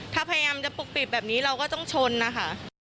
ถ้าพยายามจะปกปิดแบบนี้เราก็ต้องชนนะคะ